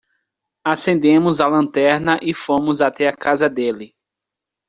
Acendemos a lanterna e fomos até a casa dele.